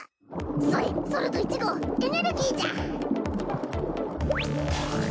それそると１号エネルギーじゃ。